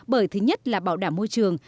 bởi thứ nhất là bảo đảm môi trường